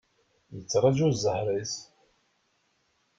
Yettraju zzher-is.